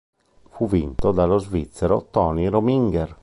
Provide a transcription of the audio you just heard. Fu vinto dallo svizzero Tony Rominger.